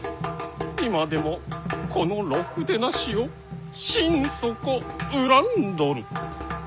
今でもこのろくでなしを心底恨んどる。